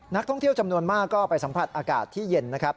นักท่องเที่ยวจำนวนมากก็ไปสัมผัสอากาศที่เย็นนะครับ